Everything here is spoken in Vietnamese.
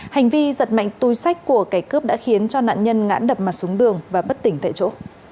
hành vi giật mạnh tui sách của cái cướp đã khiến cho nạn nhân ngãn đập mặt xuống đường và bất tỉnh tại chỗ